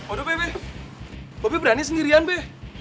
aduh bebe bobi berani sendirian be